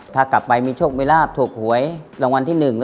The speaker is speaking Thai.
ถ้ากลับไปมีโชคมีลาบถูกหวยรางวัลที่๑